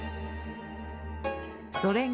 それが